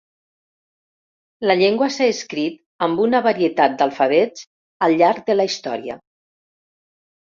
La llengua s'ha escrit amb una varietat d'alfabets al llarg de la història.